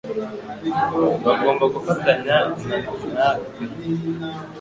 bagomba gufatanya na natwe,